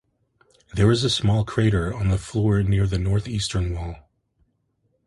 There is a small crater on the floor near the northeastern wall.